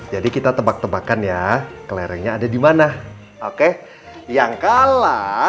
jadi kita tebak tebakan ya kelerengnya ada di mana oke yang kalah